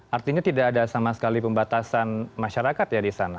artinya tidak ada sama sekali pembatasan masyarakat ya di sana